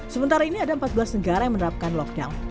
sementara ini ada empat belas negara yang menerapkan lockdown